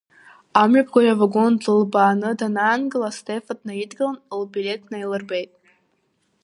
Амҩаԥгаҩ авагон длылбааны, данаангыла, Стефа днаидгылан, лблеҭ наилырбеит.